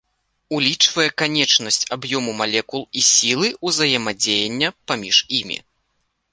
Улічвае канечнасць аб'ёму малекул і сілы ўзаемадзеяння паміж імі.